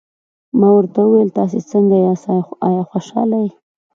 ما ورته وویل: تاسي څنګه یاست، آیا خوشحاله یې؟